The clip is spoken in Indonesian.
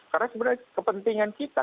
karena sebenarnya kepentingan kita